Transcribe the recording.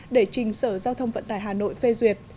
để trình sở giao thông vận tải hà nội phê duyệt